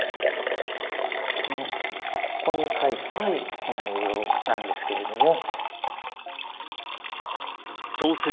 このここに書いてある内容なんですけれども。